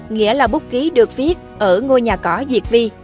nghĩa là búc ký được viết ở ngôi nhà cỏ duyệt vi